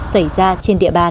xảy ra trên địa bàn